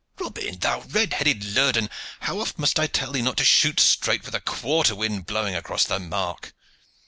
Robin, thou red headed lurden, how oft must I tell thee not to shoot straight with a quarter wind blowing across the mark?"